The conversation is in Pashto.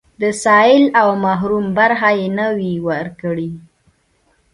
د سايل او محروم برخه يې نه وي ورکړې.